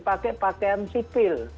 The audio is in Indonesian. pakai pakaian sipil